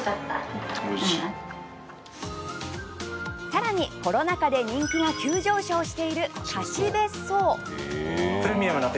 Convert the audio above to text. さらに、コロナ禍で人気が急上昇している貸し別荘！